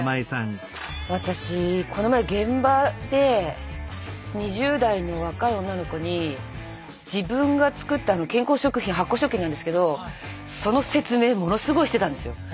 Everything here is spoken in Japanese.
私この前現場で２０代の若い女の子に自分が作った健康食品発酵食品なんですけどその説明ものすごいしてたんですよ。